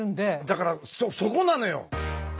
だからそこなのよ。